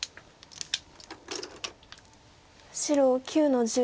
白９の十。